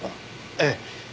ええ。